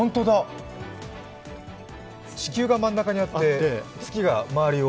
地球が真ん中にあって月が周りを？